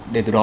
để từ đó